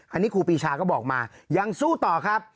อันนี้ครูปีชาก็บอกมายังสู้ต่อครับ